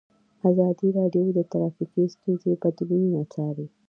ازادي راډیو د ټرافیکي ستونزې بدلونونه څارلي.